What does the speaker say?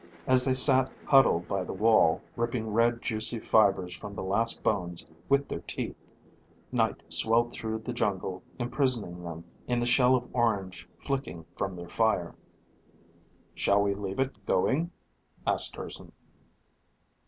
As they sat huddled by the wall, ripping red juicy fibers from the last bones with their teeth, night swelled through the jungle, imprisoning them in the shell of orange flicking from their fire. "Shall we leave it going?" asked Urson.